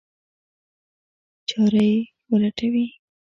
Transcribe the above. چاره یې ولټوي.